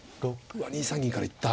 うわっ２三銀から行った。